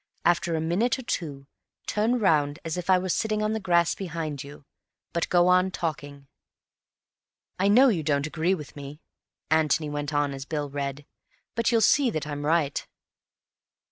AFTER A MINUTE OR TWO, TURN ROUND AS IF I WERE SITTING ON THE GRASS BEHIND YOU, BUT GO ON TALKING." "I know you don't agree with me," Antony went on as Bill read, "but you'll see that I'm right."